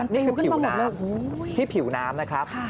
นี่คือผิวน้ำที่ผิวน้ำนะครับ